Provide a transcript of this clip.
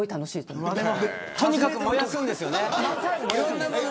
とにかく燃やすんですよね。